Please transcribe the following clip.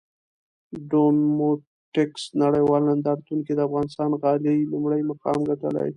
ډوموټکس نړېوال نندارتون کې د افغانستان غالۍ لومړی مقام ګټلی!